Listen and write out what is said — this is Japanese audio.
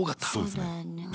そうですね。